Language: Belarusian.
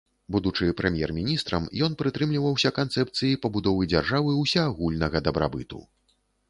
Будучы прэм'ер-міністрам, ён прытрымліваўся канцэпцыі пабудовы дзяржавы ўсеагульнага дабрабыту.